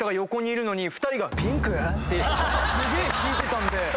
すげえ引いてたんで。